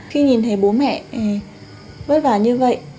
khi nhìn thấy bố mẹ vất vả như vậy